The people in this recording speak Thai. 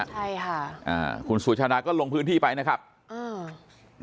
ใช่ค่ะอ่าคุณสุชาดาก็ลงพื้นที่ไปนะครับอืม